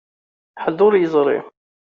Ḥedd ur yeẓri.